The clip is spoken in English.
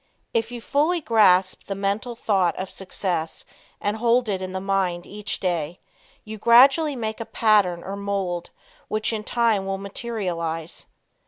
If you fully grasp mentally the thought of success and hold it in mind each day, you gradually make a pattern or mold which in time will materialize.